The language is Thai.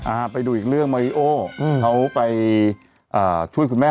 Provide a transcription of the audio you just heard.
อ่าไปดูอีกเรื่องมาริโออืมเขาไปอ่าช่วยคุณแม่